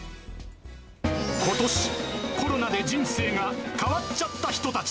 ことし、コロナで人生が変わっちゃった人たち。